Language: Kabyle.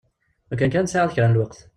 Lukan kan tesɛiḍ kra n lweqt.